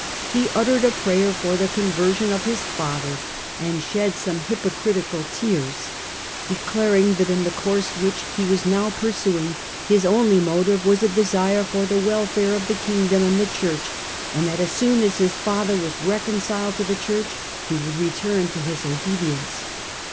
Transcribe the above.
He uttered a prayer for the conversion of his father and shed some hypocritical tears, declaring that, in the course which he was now pursuing, his only motive was a desire for the welfare of the kingdom and the Church, and that as soon as his father was reconciled to the Church he would return to his obedience.